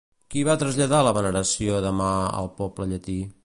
Qui va traslladar la veneració de Ma al poble llatí?